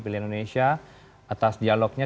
pilihan indonesia atas dialognya